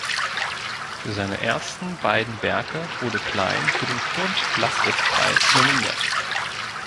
Für seine ersten beiden Werke wurde Klein für den Kurd-Laßwitz-Preis nominiert.